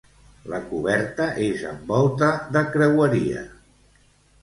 La coberta és amb volta de creueria.